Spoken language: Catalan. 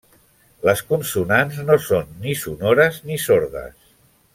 Les consonants no són ni sonores ni sordes.